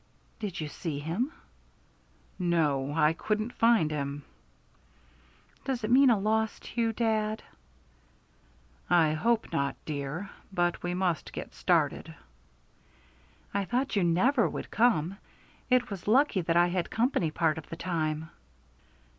"Did you see him?" "No, I couldn't find him." "Does it mean a loss to you, dad?" "I hope not, dear. But we must get started." "I thought you never would come. It was lucky that I had company part of the time."